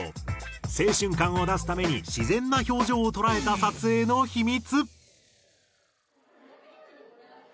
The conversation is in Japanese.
青春感を出すために自然な表情を捉えた撮影の秘密。